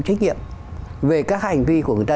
trách nhiệm về các hành vi của người ta